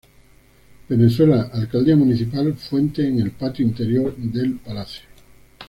Venezuela Alcaldía Municipal Fuente en el patio interior del palacio.